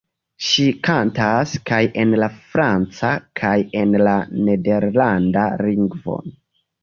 Ŝi kantas kaj en la franca kaj en la nederlanda lingvoj.